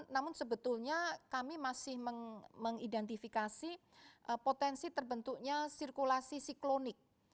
namun sebetulnya kami masih mengidentifikasi potensi terbentuknya sirkulasi siklonik